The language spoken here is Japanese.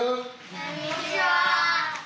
こんにちは！